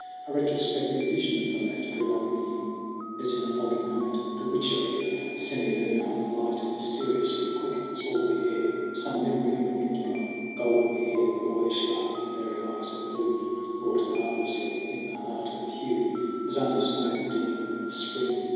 A retrospective vision of the lad Grew up in him, as in a foggy night 32 SONG OF HUGH GLASS The witchery of semilunar light Mysteriously quickens all the air. Some memory of wind blown golden hair, The boyish laugh, the merry eyes of blue, Wrought marvelously in the heart of Hugh, As under snow the daemon of the Spring.